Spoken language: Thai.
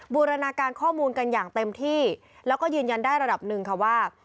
บูรณาการข้อมูลกันอย่างเต็มที่แล้วก็ยืนยันได้ระดับหนึ่งค่ะว่า